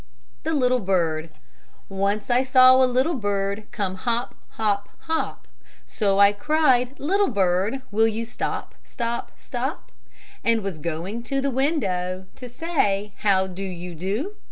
THE LITTLE BIRD Once I saw a little bird Come hop, hop, hop; So I cried, "Little bird, Will you stop, stop, stop?" And was going to the window To say, "How do you do?"